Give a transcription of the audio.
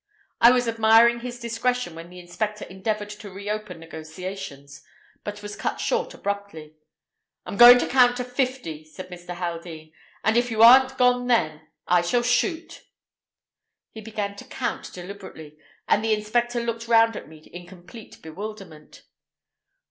I was admiring his discretion when the inspector endeavoured to reopen negotiations, but was cut short abruptly. "I am going to count fifty," said Mr. Haldean, "and if you aren't gone then, I shall shoot." He began to count deliberately, and the inspector looked round at me in complete bewilderment.